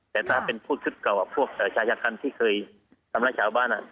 แต่ถ้าเป็นพูดชุดเก่าพวกชายคันที่เคยทำร้ายชาวบ้าน